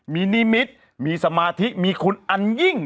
มีนิมิตรมีสมาธิมีคุณอันยิ่ง